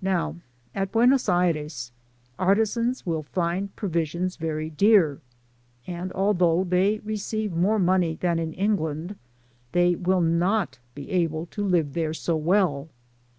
Now, at Buenos Aires, artisans will find pro visions very dear ; and ahhough they receive more money than in England, they will not be able to live there so well.